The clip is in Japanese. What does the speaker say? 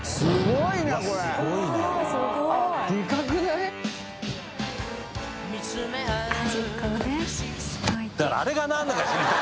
屬い董だからあれが何だか知りたい！